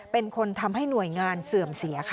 เป็นคนทำให้หน่วยงานเสื่อมเสียค่ะ